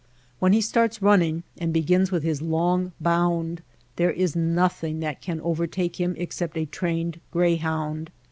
When he starts running and begins with his long bound, there is nothing that can overtake him except a trained greyhound.